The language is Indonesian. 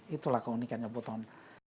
itulah keunikannya buton